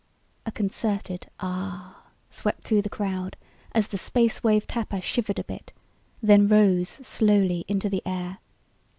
A concerted ahhhh swept through the crowd as the Space Wave Tapper shivered a bit, then rose slowly into the air.